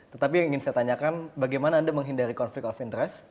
tetapi yang ingin saya tanyakan bagaimana anda menghindari konflik of interest